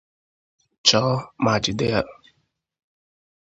chọọ ma jide ya.